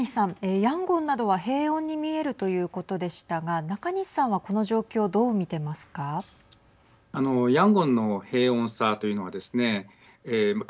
ヤンゴンなどは平穏に見えるということでしたが中西さんはこの状況をどう見ていますか。